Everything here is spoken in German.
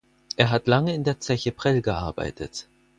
Er hat lange in der Zeche Prell gearbeitet.